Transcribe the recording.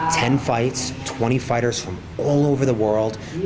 sepuluh pertempuran dua puluh pertempuran dari seluruh dunia